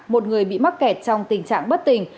một người bị mắc kẹt trong tình trạng bất tình